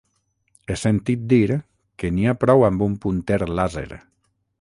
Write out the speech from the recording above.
He sentit dir que n'hi ha prou amb un punter làser.